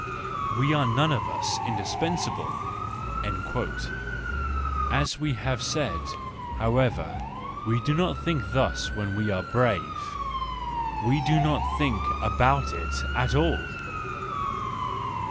We are none of us indispensable! "—As we have said, however, we do not think thus when we are brave; we do not think about it at all.